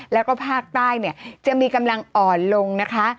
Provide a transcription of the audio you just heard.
แล้วก็ภาคใต้เนี่ยจะมีกำลังอ่อนลงนะคะ